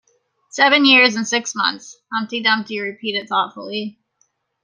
‘Seven years and six months!’ Humpty Dumpty repeated thoughtfully.